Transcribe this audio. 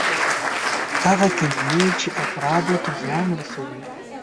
هغه کلمې چې افرادو ته زیان رسوي.